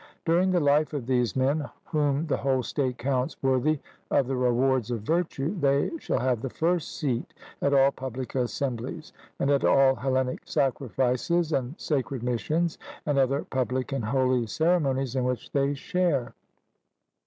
During the life of these men, whom the whole state counts worthy of the rewards of virtue, they shall have the first seat at all public assemblies, and at all Hellenic sacrifices and sacred missions, and other public and holy ceremonies in which they share.